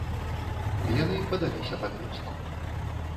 Яны падаліся пад вёску.